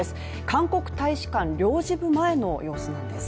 韓国大使館領事部前の様子なんです。